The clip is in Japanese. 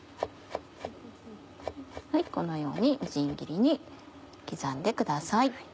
このようにみじん切りに刻んでください。